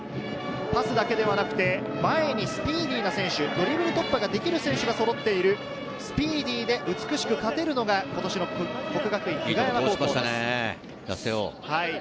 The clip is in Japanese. パスだけではなくて、前にスピーディーな選手、ドリブル突破ができる選手がそろっている、スピーディーで美しく勝てるのが今年の國學院久我山高校です。